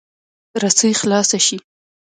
رسۍ خلاصه شي.